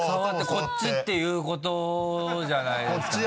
こっちっていうことじゃないですかね？